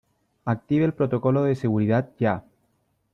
active el protocolo de seguridad ya .